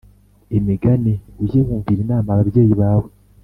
Imigani Ujye wumvira inama ababyeyi bawe